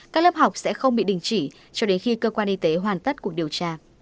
các lớp học sẽ không bị đình chỉ cho đến khi cơ quan y tế hoàn tất cuộc điều tra